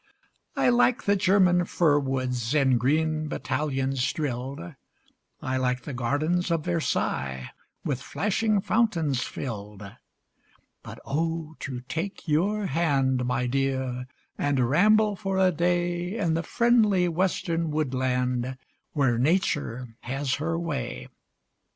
I like the German fir woods, in green battalions drilled; I like the gardens of Versailles with flashing fountains filled; But, oh, to take your hand, my dear, and ramble for a day In the friendly western woodland where Nature has her way!